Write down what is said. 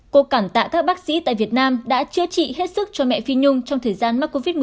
cô cảm tạ các bác sĩ tại việt nam đã chữa trị hết sức cho mẹ phi nhung trong thời gian mắc covid một mươi chín